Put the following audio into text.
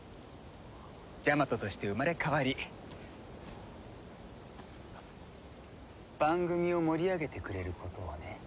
ジャマトとして生まれ変わり番組を盛り上げてくれることをね。